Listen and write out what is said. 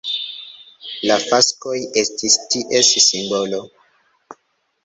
La faskoj estis ties simbolo.